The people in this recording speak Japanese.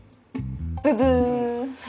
ブッブー！